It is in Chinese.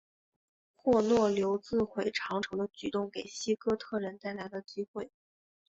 霍诺留自毁长城的举动给西哥特人带来了机会。